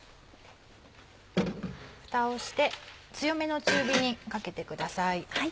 ふたをして強めの中火にかけてください。